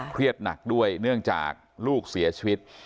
เครียดหนักด้วยเนื่องจากลูกเสียชีวิต